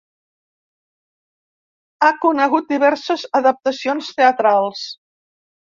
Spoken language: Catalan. Ha conegut diverses adaptacions teatrals.